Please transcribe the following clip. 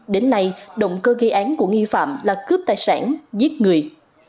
đến nay động cơ gây án của nghi phạm là cướp tài sản giết người